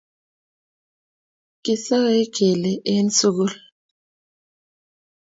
Kisae kile en sukul